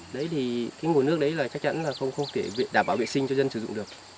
đấy thì cái nguồn nước đấy là chắc chắn là không thể đảm bảo vệ sinh cho dân sử dụng được